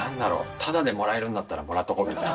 ただでもらえるんだったら、もらっとこみたいな。